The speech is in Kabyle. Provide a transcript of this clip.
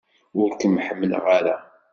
Ur kem-ḥemmleɣ ara!